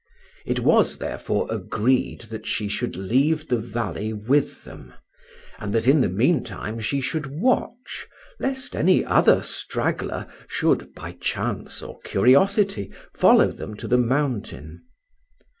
It was, therefore, agreed that she should leave the valley with them; and that in the meantime she should watch, lest any other straggler should, by chance or curiosity, follow them to the mountain.